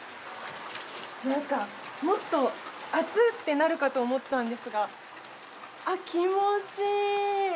なんかもっと熱っ！ってなるかと思ったんですが気持ちいい。